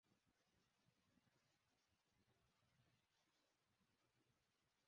தவறு கண்ட விடத்துத் திருத்தம் செய்வது நன்மை தரத்தக்க தன்றோ?